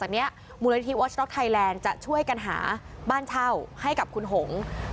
และเดี๋ยวหลังจากนี้มูลฤทธิ์วอร์ชด็อกไทยแลนด์จะช่วยกันหาบ้านเช่าให้กับคุณหงษ์